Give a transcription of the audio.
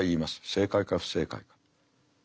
正解か不正解か。